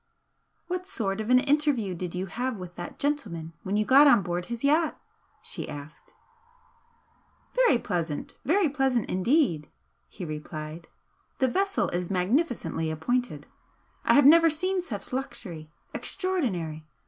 "What sort of an interview did you have with that gentleman when you got on board his yacht?" she asked. "Very pleasant very pleasant indeed" he replied "The vessel is magnificently appointed. I have never seen such luxury. Extraordinary!